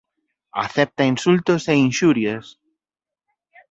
Acepta insultos e inxurias.